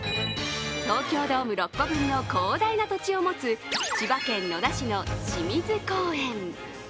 東京ドーム６個分の広大な土地を持つ千葉県野田市の清水公園。